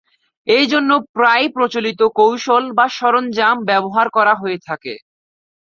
এজন্য প্রায়ই প্রচলিত কৌশল বা সরঞ্জাম ব্যবহার করা হয়ে থাকে।